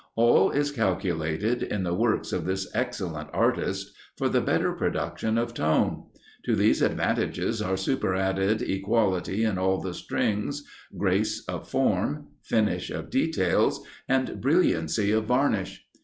All is calculated, in the works of this excellent artist, for the better production of tone. To these advantages are superadded equality in all the strings, grace of form, finish of details, and brilliancy of varnish.